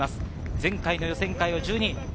前回予選会は１２位。